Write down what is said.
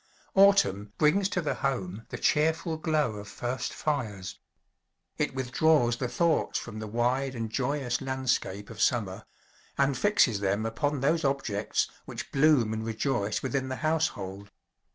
Autumn brings to the home the cheerful glow of "first fires." It withdraws the thoughts from the wide and joyous landscape of summer, and fixes them upon those objects which bloom and rejoice within the household.